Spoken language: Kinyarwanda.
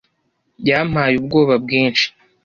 Yampaye ubwoba bwinshi